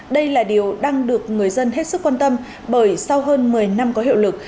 đây là điều đang được người dân hết sức quan tâm bởi sau hơn một mươi năm có hiệu lực